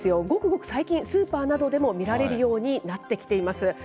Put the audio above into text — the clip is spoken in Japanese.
ごくごく最近、スーパーなどでも見られるようになってきています。